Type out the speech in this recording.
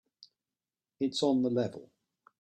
It's on the level.